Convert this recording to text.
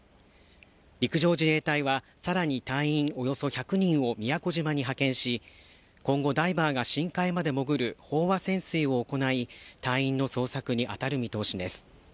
陸上自衛隊はさらに隊員およそ１００人を宮古島に派遣し、今後ダイバーが深海まで潜る飽和潜水を行い隊員の捜索に当たる見通しです。